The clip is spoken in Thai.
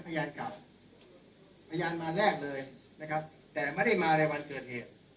เก่าพยานมาแรกเลยนะครับแต่ไม่ได้มาในวันเกิดเหตุ